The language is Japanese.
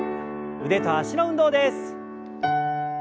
腕と脚の運動です。